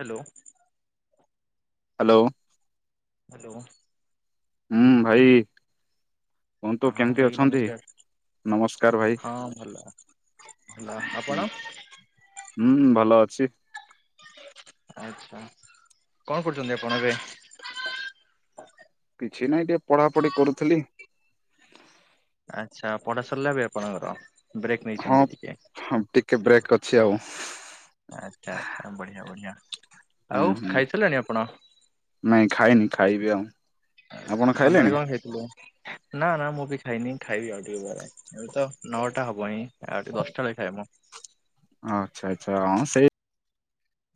Hello. Hello. Hello. ହୁଁ ଭାଇ। କୁହନ୍ତୁ ହଁ କେମିତି ଭାଇ ଅଛନ୍ତି? ନମସ୍କାର ନମସ୍କାର ଭାଇ ହଁ ଭଲ। ହୁଁ ଆପଣ। ହୁଁ ଭଲ ଅଛି। ଆଛା କଣ କରୁଛନ୍ତି ଆପଣ ଏବେ? କିଛି ନାଇଁ ଟିକେ ପଢାପଢି କରୁଥିଲି। ଆଛା ପଢା ସରିଲା ଏବେ ଆପଣଙ୍କର ବ୍ରେକ୍ ହଁ ନେଇଛନ୍ତି ଟିକେ। ହଁ ଟିକେ ବ୍ରେକ୍ ଅଛି ଆଉ। ଆଚ୍ଛା ଆଚ୍ଛା ବଢିଆ ବଢିଆ ହୁଁ ଆଉ ହୁଁ। ଖାଇ ସାରିଲେଣି ଆପଣ। ନାଇଁ ଖାଇନି ଖାଇବି ଆଉ। ଆପଣ ସନ୍ଧ୍ୟାଳେ ଖାଇଲେଣି କଣ ଖାଇଥିଲ ନା ନା ମୁଁ ବି ଖାଇନି ଖାଇବି ଆଉ ଟିକେ ପ ଏବେ ତ ନଅଟା ହବ ଣି ଆଉ ଦଶଟା ବେଳେ ଖାଇବ। ଆଚ୍ଛା ଆଚ୍ଛା ହଁ ସେଇ।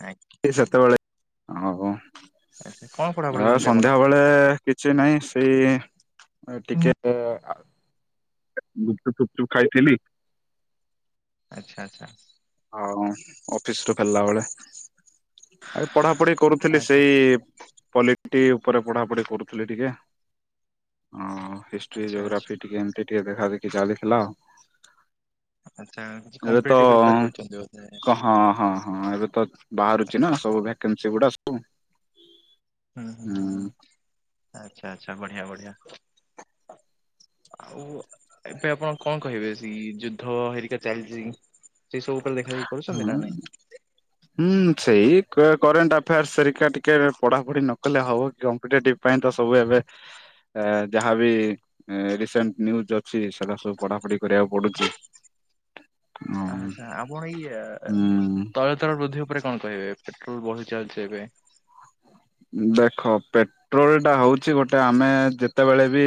ଆଜ୍ଞା। ସେତେବେଳେ ହଉ ଆଚ୍ଛା କଣ ପଢାପଢି ଆଉ କରନ୍ତି ଆପଣ? ସନ୍ଧ୍ୟାବେଳେ କିଛି ନାହିଁ ସେଇ ଟିକେ ଗୁପଚୁପ ଫୁପଚୁପ୍ ଖାଇଥିଲି। ଆଚ୍ଛା ଆଚ୍ଛା। ହଁ ଅଫିସ ରୁ ଫେରିଲା ବେଳେ ଆଉ ପଢାପଢି କରୁଥିଲି ଆଚ୍ଛା ସେଇ ପାଲିପ୍ଟ ଉପରେ ପଢ଼ାପଢ଼ି କରୁଥିଲି ଟିକେ ହ। ହିଷ୍ଟ୍ରି ଆଚ୍ଛା ଆଚ୍ଛା ଜୋଗ୍ରାଫି ଟିକେ ଏମିତି ଟିକେ ଦେଖା ଦେଖି ଚାଲିଥିଲା ଆଉ। ଆଛା କିଛି ଏବେ ତ କମ୍ପିଟେଟିଭ ପ୍ରିପାରେ କରୁଛନ୍ତି ବୋଧେ। ହଁ ହଁ ହଁ ଏବେ ତ ବାହାରୁଛି ନା ସବୁ ଭେକ୍ୟାନ୍ସୀ ଗୁଡା ସବୁ। ହୁଁ ହୁଁ ହୁଁ ଆଚ୍ଛା ଆଚ୍ଛା ବଢିଆ ବଢିଆ। ଆଉ ଏବେ ଆପଣ କଣ କହିବେ ସେ ଯୁଦ୍ଧ ହେରିକା ଚାଲିଚି? ସେଇ ସବୁ ଉପରେ ଦେଖା ଦେଖି କରୁଚନ୍ତି ନା ହଁ ନାଇଁ? ହୁଁ ସେଇ କରେଣ୍ଟ୍ ଆଫେୟାର୍ସ ସେରିକା ଟିକେ ପଢାପଢି ନ କଲେ ହବ କମ୍ପିଟେଟିଭ ପାଇଁ ତ ସବୁ ଏବେ ଯାହାବି ରିସେଣ୍ଟ୍ ନ୍ୟୁଜ୍ ଅ [unintelligible] ସବୁ ପଢାପଢି କରିବାକୁ ପଡୁଚି। ଆଛା ଆପଣ ଇଏ ହୁଁ ତୈଳ ଦର ବୃଦ୍ଧି ଉପରେ କଣ କହିବେ ପେଟ୍ରୋଲ ବଢି ଚାଲିଚି ଏବେ? ଦେଖ ପେଟ୍ରୋଲ ଟା ହଉଚି ଗୋଟେ ଆମେ ଯେତେବେଳେ ବି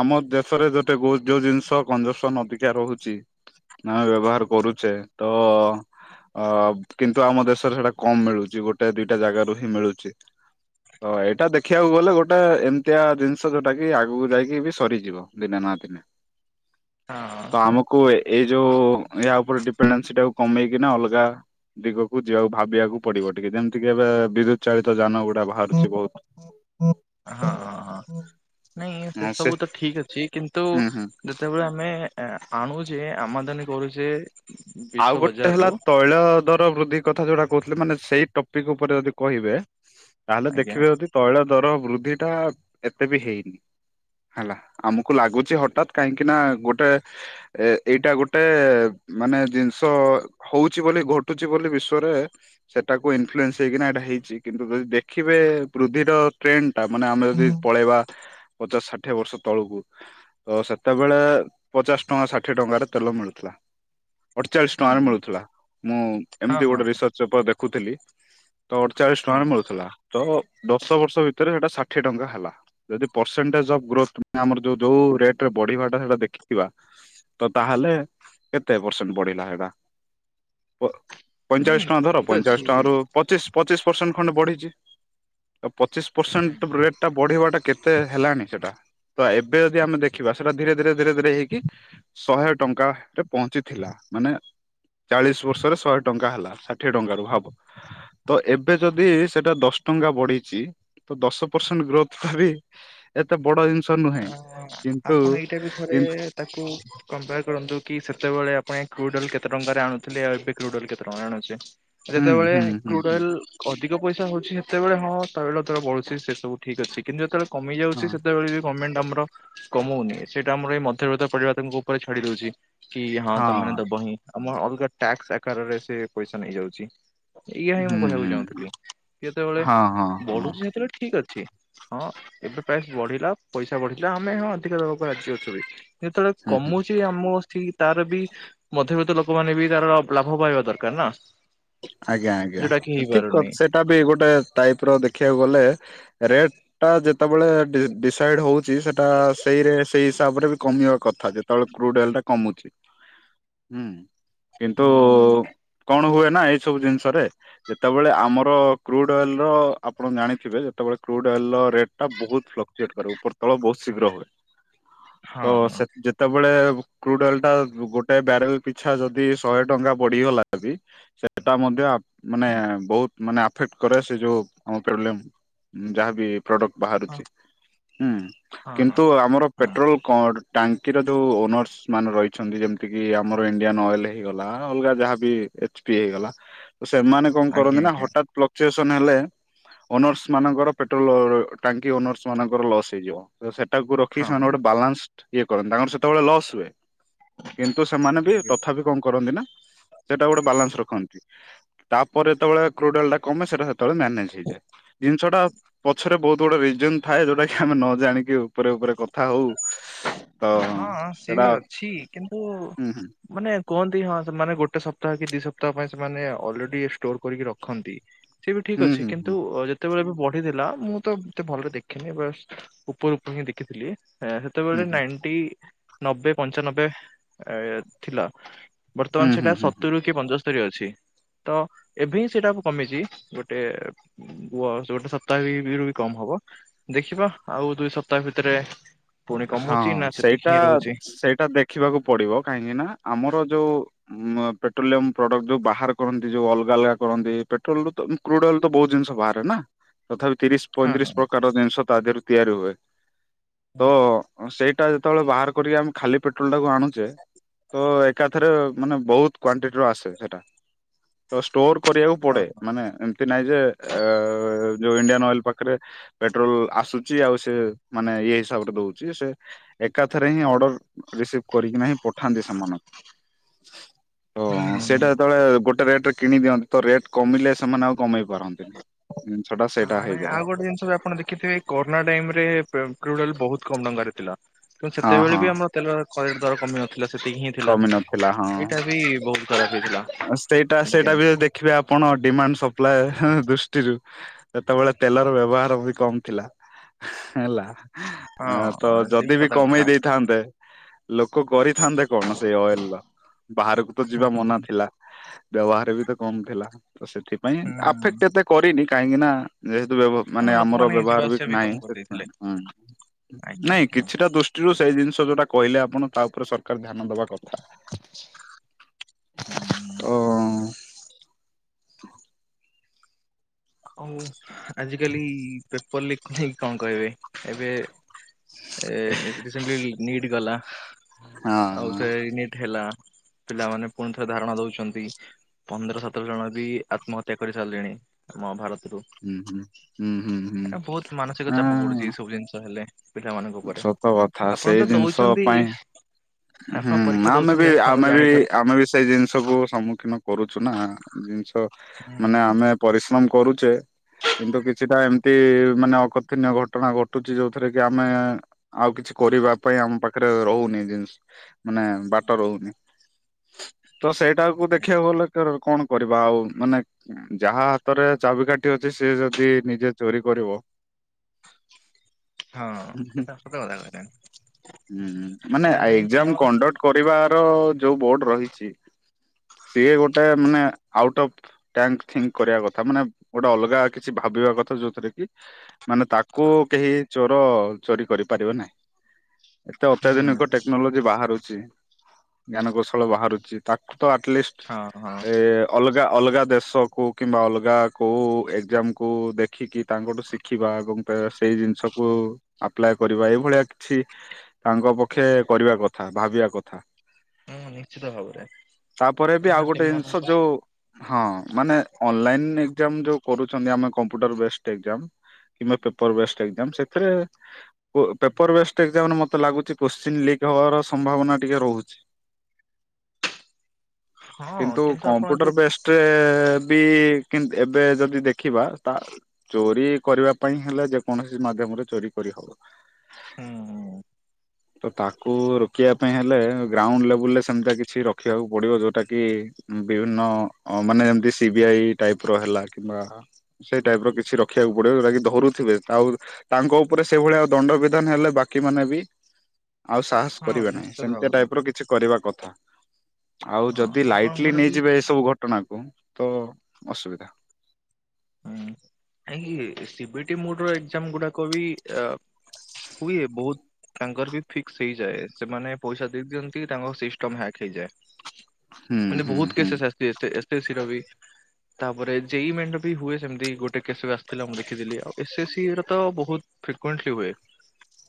ଆମ ଦେଶରେ ଗୋଟେ ବହୁତ୍ ଯୋଉ ଜିନିଷ କଂଜସନ୍ ଅଧିକା ରହୁଚି ନା ବ୍ୟବହାର କରୁଚେ ତ ଅ କିନ୍ତୁ ଆମ ଦେଶରେ ସେଟା କମ୍ ମିଳୁଚି ଗୋଟେ ଦିଟା ଜାଗାାରୁ ହିଁ ମିଳୁଚି ହଁ ଏଇଟା ଦେଖିବାକୁ ଗଲେ ଗୋଟେ ଏମିତିଆ ଜିନିଷ ଯୋଉଟା କି ଆଗକୁ ଯାଇକି ବି ସରିଯିବ। ଦିନେ ନା ଦିନେ ହଁ। ତ ଆମକୁ ଏଇ ଯୋଉ ୟା ଉପରେ ଡିପେଣ୍ଡ୍ନାସି ଟାକୁ କମେଇକି ନା ଅଲଗା ଦିଗକୁ ଯିବାକୁ ଭାବିବାକୁ ପଡିବ ଟିକେ ଯେମିତିକି ଏବେ ବିଦ୍ୟୁତ୍ ଚାଳିତ ଯାନ ଗୁଡା ବାହାରୁଚି ବହୁତ୍। ହଁଁ ନାଇଁ ସେ ସବୁ ତ ଠିକ୍ ଅଛି କିନ୍ତୁ ହୁଁ ହୁଁ। ଯେତେବେଳେ ଆମେ ଏ ଆଣୁଚେ ଆମଦାନୀ କରୁଚେ ଆଉ ଗୋଟେ ହେଲା ତୈଳ ଦର ବୃଦ୍ଧି କଥା ଯୋଉଟା କହୁଥିଲେ ମାନେ ସେଇ ଟପିକ୍ ଉପରେ ଯଦି କହିବେ ତାହେଲେ ଆଜ୍ଞା ଦେଖିବେ ଯଦି ତୈଳ ଦର ବୃଦ୍ଧି ଟା ଏତେ ବି ହେଇନି। ହେଲା ଆମକୁ ଲାଗୁଚି ହଟାତ୍ କାହିଁକି ନା ଗୋଟେ ଏ ଏଇଟା ଗୋଟେ ମାନେ ଜିନିଷ ହଉଚି ବୋଲି ଘଟୁଚି ବୋଲି ବିଶ୍ଵରେ ସେଟାକୁ ଇନଫ୍ଲୁଏନ୍ସ ହେଇକିନା ଏଇଟା ହେଇଚି କିନ୍ତୁ ଯଦି ଦେଖିବେ ବୃଦ୍ଧିର ଟ୍ରେଣ୍ଡ୍ ତା ମାନେ ଆମେ ଯଦି ପଳେଇବା ପଚାଶ ଷାଠିଏ ବର୍ଷ ତଳକୁ ତ ସେତେବେଳେ ପଚାଶ ଟଙ୍କା ଷାଠିଏ ଟଙ୍କାରେ ତେଲ ମିଳୁଥିଲା। ଅଠ ଚାଳିଶି ହୁଁ ଟଙ୍କାରେ ହୁଁ ମିଳୁଥିଲା ମୁଁ ହଁ ଏମିତି ହଁ ଗୋଟେ ରିସର୍ଚ୍ଚ ପେପର୍ ଦେଖୁଥିଲି ତ ଅଠ୍ ଚାଳିଶ୍ ଟଙ୍କାରେ ହଁ ମିଳୁଥିଲା ତ ଦଶ ବର୍ଷ ଭିତରେ ସେଇଟା ଷାଠିଏ ଟଙ୍କା ହେଲା। ଯଦି ପରସେଣ୍ଟେଜ ଅଫ୍ ଗ୍ରୋଥ୍ ଆମର ଯ ଯୋଉ ରେଟ୍ ରେ ବଢିବାଟା ସେଟା ଦେଖିଥିବା ତ ତାହେଲେ କେତେ ପରସେଣ୍ଟ୍ ବଢିଲା ହେଟା କ ନାଇଁ ପଇଁଚାଳିଶ୍ ଟଙ୍କା ଧର ଠିକ ଅଛି ପଇଁଚାଳିଶ୍ ଟଙ୍କା ରୁ ପଚିଶ୍ ପଚିଶ୍ ପରସେଣ୍ଟ୍ ଖଣ୍ଡେ ବଢିଚି ଆଉ ପଚିଶ୍ ଆଜ୍ଞା ପରସେଣ୍ଟ୍ ରେଟ୍ ଟା ବଢିବାଟା କେ ତେ ହେଲାଣି ସେଟା ତ ଏବେ ଯଦି ଆମେ ଦେଖିବା ସେଟା ଧୀରେ ଧୀରେ ଧୀରେ ଧୀରେ ହେଇକି ଶହେ ଟଙ୍କା ରେ ପହଞ୍ଚିଥିଲା। ମାନେ ଚାଳିଶ୍ ବର୍ଷରେ ଶହେ ଟଙ୍କା ହେଲା ଷାଠିଏ ଟଙ୍କା ରୁ ଭାବ ତ ଏବେ ଯଦି ସେଟା ଦଶ ଟଙ୍କା ବଢିଚି ତ ଦଶ ପରସେଣ୍ଟ୍ ଗ୍ରୋଥ୍ ଭାବି ଏତେ ବଡ ଜିନିଷ ନୁହେଁ ଅଁ, କିନ୍ତୁ, ଆପଣ ଏଇଟା ବି ଥରେ କିନ୍ତୁ ତାକୁ କମ୍ପେୟାର କରନ୍ତୁ କି ସେତେବେଳେ ଆପଣ କୁଣ୍ଟାଲ୍ କେତେ ଟଙ୍କାରେ ଆଣୁଥିଲେ ଆଉ ଏବେ କ୍ରୁଡାଲ କେତେ ଟଙ୍କା ଆଣୁଚି ହୁଁ ଯେତେବେଳେ ହୁଁ ହୁଁ ହୁଁ କ୍ରୁଡଲ୍ ଅଧିକ ପଇସା ହଉଚି ସେତେବେଳେ ହଁ ତୈଳ ଦର ବଢୁଚି ସେ ସବୁ ଠିକ୍ ଅଛି କିନ୍ତୁ ଯେତେବେଳେ କମି ଯାଉଚି ହଁ ସେତେବେଳେ ବି ଗମେଣ୍ଟ୍ ଆମର କମଉନି ସେଇଟା ଆମର ଏଇ ମଧ୍ୟବିତ୍ତ ପରିବାରେ ଉପରେ ଛାଡି ଦଉଚି। କି ହଁ ତମ୍ ମାନେ ଦବ ହିଁ ଆମ ଅଲଗା ଟାକ୍ସ୍ ଆକାରରେ ସେ ପଇସା ନେଇଯାଉଚି। ଇୟା ହିଁ ମୁଁ ହୁଁ କହିବାକୁ ହୁଁ ହୁଁ। ଚାହୁଁଥିଲି ଯେତେବେଳେ ହଁ ହଁ ହଁ ବଢୁଚି ସେତେବେଳେ ଠିକ୍ ଅଛି। ହଁ ଏବେ ପ୍ରାଇସ୍ ବଢିଲା ପଇସା ବଢିଲା ଆମେ ହଁ ଅଧିକା ଦେବାକୁ ରାଜି ଅଛୁ ବି। ଯେତେବେଳେ ହୁଁ ହୁଁ କମୁଚି ଆମ ବସିକି ତାର ବି ମଧ୍ୟବିତ୍ତ ଲୋକମାନେ ବି ତାର ଲାଭ ପାଇବା ଦରକାର୍ ନା। ଆଜ୍ଞା ଆଜ୍ଞା। ଯୋଉଟା କି ଠିକ କ ହେଇପାରୁନି ସେଇଟା ବି ଗୋଟେ ଟାଇପ ର ଦେଖିବାକୁ ଗଲେ ରେଟ ଟା ଯେତେବେଳେ ଡିସାଇଡ ହଉଛି ସେ ଟା ସେଇ ରେ ସେଇ ହିସାବରେ ବି କମିବା କଥା ଯେତେବେଳେ କ୍ରୁଡ ଲ ଟା କମୁଛି ହୁଁ। କିନ୍ତୁ ହୁଁ କଣ ହୁଏ ନା ଏଇ ସବୁ ଜିନିଷରେ ଯେତେବେଳେ ଆମର କ୍ରୁଡ ଅଏଲ ର ଆପଣ ଜାଣିଥିବେ ଯେତେବେଳେ କ୍ରୁଡ୍ ଅଏଲ ର ରେଟ ବହୁତ ଫ୍ଲକ୍ଚୁଟ କରେ ଉପର ତଳ ବହୁତ ଶୀଘ୍ର ହୁଏ ହଁ ହଁ ତ କେତେବେଳେ କ୍ରୁଡ୍ ଅଏଲଟା, ଗୋଟେ ବ୍ୟାରେଲ ପିଛା ଯଦି ଶହେ ଟଙ୍କା ବଡିଗଲା ବି ସେଇଟା ମଧ୍ୟ ଆପ ମାନେ ବହୁତ ମାନେ ଆଫେକ୍ଟ କରେ, ସେ ଯୋଉ ଆମ ପ୍ରୋବ୍ଲେମ୍ ଯାହାବି ପ୍ରଡ଼କ୍ଟ ହଁ ବାହାରୁଛି, ହୁଁ। ହଁ ହଁ। କିନ୍ତୁ ଆମର ହଁ ପେଟ୍ରୋଲ କର୍ଡ, ଟାଙ୍କିର ଯୋଉ ଓନର୍ସମାନେ ରହିଛନ୍ତି ଯେମିତିକି, ଆମର ଇଣ୍ଡିଆନ୍ ଅଏଲ୍ ହେଇଗଲା, ଅଲଗା ଯାହାବି ଏଚ୍ ପି ହେଇଗଲା। ତ ସେମାନେ କଣ ଆଜ୍ଞା କରନ୍ତି ନା ଆଜ୍ଞା ହଠାତ୍ ପ୍ଲ କ୍ଚୁଏସନ୍ ହେଲେ, ଓନର୍ସମାନଙ୍କର ପେଟ୍ରୋଲ ଓ ଟାଙ୍କି ଓନର୍ସମାନଙ୍କର ଲସ୍ ହେଇଯିବ। ତ ସେଟାକୁ ରଖିକି ହଁ ସେମାନେ ହଁ ଗୋଟେ ବାଲାନ୍ସଡ ଇଏ କରନ୍ତି, ତାଙ୍କର ସେତେବେଳେ ଲସ୍ ହୁଏ। କିନ୍ତୁ ସେମାନେ ବି ଆଜ୍ଞା ଆଜ୍ଞା ତଥାପି କଣ କରନ୍ତି ନା, ସେଟା ଗୋଟେ ବାଲାନ୍ସ ରଖନ୍ ତାପରେ ଯେତେବେଳେ କ୍ରୁଡାଲଟା କମେ, ସେଟା ସେ ସେତେବେଳେ ମ୍ୟାନେଜ ହେଇଯାଏ। ଜିନିଷଟା ପଛରେ ବହୁତ ଏତେ ବଡ଼ ରିଜ୍ୟୁମ୍ ଥାଏ, ଯୋଉଟାକି ଆମେ ନ ଜାଣିକି ବି ଉପରେ ଉପରେ କଥା ହଉ, ତ ହଁ ସେ ସେଟା ବି ଅଛି କିନ୍ତୁ ହୁଁ ହୁଁ। ମାନେ କୁହନ୍ତି, ହଁ ସେମାନେ ଗୋଟେ ସପ୍ତାହ କି ଦି ସପ୍ତାହ ପାଇଁ ସେମାନେ ଅଲରେଡି ଷ୍ଟୋର କରିକି ରଖନ୍ତି। ସିଏ ବି ଠିକ୍ ହୁଁ ଅଛି, ହୁଁ କିନ୍ତୁ ହୁଁ ଯେତେବେଳେ ଏବେ ବଢିଥିଲା, ମୁଁ ତ ଏତେ ଆଉ ଭଲରେ ଦେଖିନି, ବାଷ୍ଟ ଉପର ଉପର ହିଁ ଦେଖିଥିଲି ହୁଁ। ହୁଁ ସେତେବେଳେ ହୁଁ ନାଇଣ୍ଟି, ନବେ ପଞ୍ଚାନବେ ଏ ଥିଲା। ହୁଁ ବର୍ତ୍ତମାନ ହୁଁ ସେଟା ହୁଁ ହୁଁ ସତୁରୁ କି ପଞ୍ଚସ୍ତରୀ ଅଛି। ତ ଏବେ ହିଁ ସେଇଟାକୁ କମିଛି, ଗୋଟେ ପୁଅ ଗୋଟେ ସପ୍ତାହରେ [unintelligible] ବି କମ ହବ, ଦେଖିବା ଆଉ ଦୁଇ ସପ୍ତାହ ଭିତ ତେରେ, ସେଥିରେ ପୁଣି କମୁଛି ନା, ସେତିକି ହିଁ ରହୁଛି? ସେଟା ଦେଖିବାକୁ ପଡିବ, କାହିଁକିନା ଆମର ଯୋଉ ଉମ୍ ପେଟ୍ରୋଲିୟମ ପ୍ରଡକ୍ଟ ଯୋଉ ବାହାର କରନ୍ତି ଯୋଉ ଅଲଗା ଅଲଗା କରନ୍ତି, ପେଟ୍ରୋଲରୁ ତ କ୍ରୁଡଲ ତ ବହୁତ ଜିନିଷ ବାହାରେ ନା, ତଥାପି ତିରିଶ ହଁ ପଇଁତିରିଶ ହଁ ପ୍ରକାରର ଜିନିଷ ତା ଦେହରୁ ତିଆରି ହୁଏ। ତ ସେଇଟା ଯେତେବେଳେ ବାହାର କରିକି ଆମେ ଖାଲି ପେଟ୍ରୋଲଟାକୁ ଆଣୁଚେ ତ ଏକାଥରେ ମାନେ ବହୁତ କ୍ଵାଣ୍ଟିଟିର ଆସେ ସେଇଟା। ତ ଷ୍ଟୋର କରିବାକୁ ପଡେ, ହଁ ମାନେ ଏମତି ନାଇଁ ଯେ, ଏ ଯୋଉ ଇଣ୍ଡିଆନ ଅଏଲ ପାଖରେ ପେଟ୍ରୋଲ ଆସୁଛି, ଆଉ ସେ ମାନେ ଇଏ ହିସାବରେ ଦଉଛି, ସେ ଏକାଥରେ ହିଁ ଅର୍ଡର ରିସିଭ କରିକିନା ହିଁ ପଠାନ୍ତି ସେମାନଙ୍କୁ। ଓ, ହଁ। ସେଇଟା ଯେତେବେଳେ ଗୋଟେ ରେଟରେ କିଣି ଦିଅନ୍ତି, ତ ରେଟ୍ କମିଲେ ସେମାନେ ଆଉ କମେଇ ପାରନ୍ତିନି। ଜିନିଷ ଟା ସେଇଟା ହଁ ଭାଇ ଆଉ ହେଇଯାଏ ଗୋଟେ ଜିନିଷ ବି ଆପଣ ଦେଖିଥିବେ, ଏଇ କରୋନା ଟାଇମରେ ପୁ-ପେଟ୍ରୋଲ ବହୁତ କମ [unintelligible] ଥିଲା। ତ ହଁ ସେତେବେଳେ ହଁ ବି ଆମର ତେଲ କରେଣ୍ଟ ଦର କମି ନଥିଲା, ସେତିକି ହିଁ ରେ ଥିଲା, କମି ନଥିଲା ଏଇଟା ବି ବହୁତ ଖରାପ ହେଇଥିଲା। ହଁ, ସେଇଟା ଆଜ୍ଞା। ସେଇଟା ବି ଯଦି ଦେଖିବେ ଆପଣ, ଡିମାଣ୍ଡ ସପ୍ଲାଏ ହିଁ, ହିଁ ଦୃଷ୍ଟିରୁ ସେତେବେଳେ ତେଲର ବ୍ୟବହାର ବି କମ ଥିଲା, ହେଲା। ଆ ତ ହଁ ସେ ଯଦି ବି ସଦା କଥା କମେଇ ଦେଇଥାନ୍ତେ ଲୋକ କରିଥାନ୍ତେ କଣ ସେଇ ଅଏଲର? ବାହାରକୁ ତ ଯିବା ମନା ଥିଲା। ବ୍ୟବହାର ବି ତ କମ ଥିଲା, ତ ସେଥିପାଇଁ ଆଫେକ୍ଟ ଏତେ କରିନି, କାହିଁକିନା ଯେହେତୁ ବ୍ୟବ ହଁ ମାନେ ଆମର ଲୋକମାନେ ଯିବା ବ୍ୟବହାର ବି ଆସିବା କମ ନାହିଁ, ସେଥିପାଇଁଁ କରିଦେଇଥିଲେ ହୁଁ। ଆଜ୍ଞା ନାଇଁ ଆଜ୍ଞା କିଛିଟା ଦୁଷ୍ ଦୃଷ୍ଟିରୁ ସେ ଜିନିଷ ଯୋଉଟା କହିଲେ ଆପଣ ତା ଉପରେ ସରକାର ଧ୍ୟାନ ଦବା କଥା। ଆଁ ଅଁ। ଆଉ ଆଜିକାଲି ପେପର୍ ଲିକ୍ ନେଇକି କଣ କହିବେ? ଏବେ ଏ ନି ରିସେଣ୍ଟଲି ନିଟ୍ ଗଲା। ଆଉ ହଁ ତ ଏଇ ନିଟ୍ ହେଲା, ପିଲାମାନେ ପୁଣିଥରେ ଧାରଣା ଦଉଛନ୍ତି ପନ୍ଦର ସତର ଜଣ ବି ଆତ୍ମହତ୍ୟା କରି ସାରିଲେଣି, ଆମ ଭାରତରୁୁ। ହୁଁ ହୁଁ ହୁଁ ହୁଁ ମାନସିକ ଚାପ ହୁଁ। [unintelligible] ଜିନିଷ ହେଲେ ପିଲାମାନଙ୍କୁ। ସତ କଥା ସେଇ ଜିନିଷ ପାଇଁ। ହୁଁ ଆପଣ ପରୀକ୍ଷା ଆମେ ବି ଦଉଛନ୍ତି ଆପଣ ତ ଆମେ ବି ଜାଣିପାରୁଥିବେ ଆମେ ବି ସ ସେଇ ଜିନିଷକୁୁ ସମ୍ମୁଖୀନ କରୁଛୁ ନା ଜିନିଷ ମାନେ ଆମେ ପରିଶ୍ରମ କରୁଛେ। କିନ୍ତୁ କିଛିଟା ଏମିତି ମାନେ ଅକଥିନୀୟ ଘଟଣା ଘଟୁଛି ଯୋଉଥିରେ କି ଆମେ ଆଉ କିଛି କରିବା ପାଇଁ ଆମ ପାଖରେ ରହୁନି ଜିନିଷ୍ ମାନେ ବାଟ ରହୁନି ତ ସେଇଟାକୁୁ ହୁଁ। ଦେଖିବାକୁ ଗଲେ କଣ କରିବା ଆଉ ମାନେ ଯାହା ହାତରେ ଚାବିକାଠି ଅଛି ସେ ଯଦି ନିଜେ ଚୋରି କରିବ। ହଁ ସେଟା ସତ କଥା ମାନେ ହୁଁ ମାନେ ଏକ୍ଜାମ୍ କଣ୍ଡକ୍ଟ୍ କରିବାର ଯୋଉ ବୋର୍ଡ ରହିଛି। ସିଏ ଗୋଟେ ମାନେ ଆଉଟ୍ ଅଫ୍ ଟାଇମ୍ ଥିଙ୍କ୍ କରିବା କଥା ମାନେ ଗୋଟେ ଅଲଗା କିଛି ଭାବିବା କଥା ଯୋଉଥିରେ କି ମାନେ ତାକୁ କେହି ଚୋର ଚୋରି କରିପାରିବେ ନାହିଁ। ଏତେ ହୁଁ ଅତ୍ୟାଧୁନିକ ଟେକ୍ନୋଲୋଜି ବାହାରୁଛି ଜ୍ଞାନ କୌଶଳ ବାହାରୁଛି ତାକୁ ତ ଆଟଲିଷ୍ଟ୍ ହଁ ହଁ ଏ ଅଲଗା ଅଲଗା କୋଉ ଦେଶକୁ କିମ୍ବା ଅଲଗା କେଉଁ ଏକ୍ଜାମ୍ କୁ ଦେଖିକି ତାଙ୍କଠୁ ଶିଖିବା ଏବଂ ସେଇ ଜିନିଷକୁ ଆପ୍ଲାଏ କରିବା ଏଇଭଳିଆ କିଛି। ତାଙ୍କ ପକ୍ଷେ କରିବା କଥା ଭାବିବା କଥା। ହୁଁ ନିଶ୍ଚିତ ଭାବରେ ତାପରେ ବି ଆଉ ମାନେ ଗୋଟେ ଜିନିଷ ସେମାନଙ୍କ ଯୋଉ ହଁ ମାନେ ଅନଲାଇନ୍ ଏକ୍ଜାମ୍ ଯୋଉ କରୁଛନ୍ତି ଆମେ କମ୍ପୁଟର ବେଷ୍ଟ୍ ଏ କିମ୍ବା ପେପର୍ ବେଷ୍ଟ ଏ ସେଥିରେ ପେପର୍ ବେସ ପ୍ରତ୍ୟେକ ଏକ୍ଜାମ୍ ମତେ ଲାଗୁଛି କୋଶ୍ଚିନି ଲିକ୍ ହବାର ସମ୍ଭାବନା ଟିକେ ରହୁଛି। ହଁ କିନ୍ତୁ ଆପଣ ଯୋଉ କମ୍ପ୍ୟୁଟର ବେଷ୍ଟ୍ ରେ ବି କି ଏବେ ଯଦି ଦେଖିବା ତା ଚୋରି କରିବା ପାଇଁ ହେଲେ ଯେକୌଣସି ମାଧ୍ୟମରେ ଚୋରି କରିହବ। ହୁଁ। ତ ତାଙ୍କୁ ରୋକିବା ପାଇଁ ହେଲେ ଗ୍ରାଉଣ୍ଡ୍ ଲେବୁଲ୍ ରେ ସେମିତି କିଛି ରଖିବାକୁ ପଡିବ ଯୋଉଟା କିି ବିଭିନ୍ନ ମାନେ ଏମିତି ସିବିଆଇ ଟାଇପ୍ ର ହେଲାନି। ସେଇ ଟାଇପ୍ ର କିଛି ରଖିବାକୁ ପଡିବ ଯଉଟାକି ଧରୁଥିବେ ଆଉ ତାଙ୍କ ଉପରେ ସେଇଭଳିଆ ଆଉ ଦଣ୍ଡବିଧାନ ହେଲେ ବାକି ମାନେ ବି ଆଉ ସାହସ ହଁ କରିବେ ନାହିଁ ନିଶ୍ଚିତ ସେମିତି ଭାବରେ ଟାଇପ୍ ର କିଛି କରିବା କଥା ଆଉ ହଁ ଯଦି ଲାଇଟ୍ ଲି ଆପଣଙ୍କର ବି ନେଇଯିବେ ଏଇ ସବୁ ଘଟଣାକୁ ତ ଅସୁବିଧା। ହୁଁ ଆ ସିବିଟି ମୋଡ଼ ର ଏକ୍ଜାମ ଗୁଡାକ ବି ହୁଏ ବହୁତ୍ ତାଙ୍କର ବି ଫିକ୍ସ୍ ହେଇଯାଏ ସେମାନେ ପଇସା ଦେଇ ଦିଅନ୍ତି ତାଙ୍କ ସିଷ୍ଟମ୍ ହ୍ୟାକ୍ ହେଇଯାଏ। ହୁଁ ମାନେ ହୁଁ ବହୁତ ହୁଁ କେସ୍ [unintelligible] ତାପରେ ଦେଇ ମେ ବି ହୁଏ ସେମିତି ଗୋଟେ କେସ ବି ଆସିଥିଲା ମୁଁ ଦେଖିଥିଲି ଆଉ ଏସ୍ ସି ର ତ ବହୁତ୍ ଫ୍ରି [unintelligible] ହୁଏ।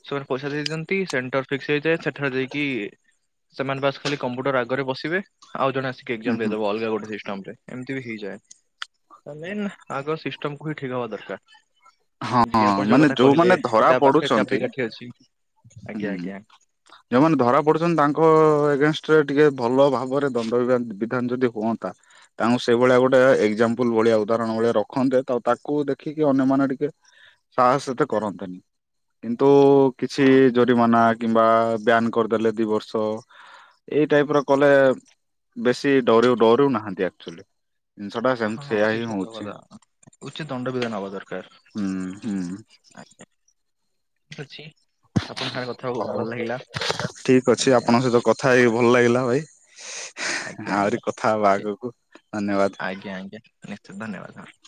ସେମାନେ ପଇସା ଦେଇ ଦିଅନ୍ତି ସେଣ୍ଟର୍ ଫିକ୍ସ୍ ହେଇଯାଏ ସେଠାରେ ଦେଇକି ସେମାନେ ବାସ ଖାଲି କମ୍ପ୍ୟୁଟର ଆଗରେ ବସିବେ ଆଉ ଜଣେ ଆସିବେ ହୁଁ ହୁଁ ଦେଇଦବ ଅଲଗା ଗୋଟେ ସିଷ୍ଟମରେ ଏମତି ବି ହେଇଯାଏ। ଆଗ ସିଷ୍ଟମକୁ ହିଁ ଠିକ୍ ହବା ଦରକାର। ହଁ ଜ ଆପଣ ଯୋଉ ମାନେ କଥା କହିଲେ ଯୋଉମାନେ ଧରା ଯ ପାଖରେ ଚାବି ପଡୁଛନ୍ତି କାଠି ଅଛି ଆଜ୍ଞା ହୁଁ ଆଜ୍ଞା। ଯୋଉମାନେ ଧରା ପଡୁଛନ୍ତି ତାଙ୍କ ଏଗେନଷ୍ଟରେ ଟିକେ ଭଲ ଭାବରେ ଦଣ୍ଡ ବିଧାନ ଯଦି ହୁଅନ୍ତା। ତାଙ୍କୁ ସେଇ ଭଳିଆ ଗୋଟେ ଏକ୍ଜାମ୍ପଲ ଭଳିଆ ଉଦାହରଣ ଭଳିଆ ରଖନ୍ତେ ତା ତାକୁ ଦେଖିକି ଅନ୍ୟମାନେ ଟିକେ ସାହସତ କରନ୍ତନି କିନ୍ତୁ କିଛି। ହଁ ଜରିମାନା କିମ୍ବା ବ୍ୟାନ କରିଦେଲେ ଦି ବର୍ଷ। ଏଇ ଟାଇପ ର କଲେ ବେଶୀ ଡ ଡରିଉ ନାହାନ୍ତି ଆକ ଚୁଆଲି। ଜିନିଷ ଟା ସେମିତି ହଁ ସେୟାଆ ସେ ହିଁ ସତ ହଉଛି। କଥା ଉଚିତ ଦଣ୍ଡ ବିଧାନ ହବା ଦରକାର। ହୁଁ ହୁଁ। ଆ ଠିକ ଅଛି, ଆପଣ ସାଙ୍ଗେ କଥା ହଉ ଭଲ ଲାଗିଲା ଠିକ ଅଛି, ଆଜ୍ଞା ଆପଣଙ୍କ ସହିତ କଥା ହେଇକି ଭଲ ଲାଗିଲା ଭାଇ। ଆଜ୍ଞା ଆହୁରି ଆଜ୍ଞା କଥା ହବା ଠିକ ଆଗକୁ ଧନ୍ୟବାଦ। ଆଜ୍ଞା ଆଜ୍ଞା, ନିଶ୍ଚିତ ଧନ୍ୟବାଦ ହଁ।